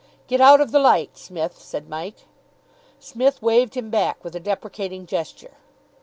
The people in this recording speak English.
"Get out of the light, Smith," said Mike. Psmith waved him back with a deprecating gesture.